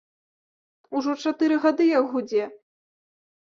Ужо чатыры гады як гудзе.